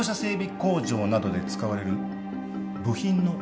工場などで使われる部品の洗浄液です。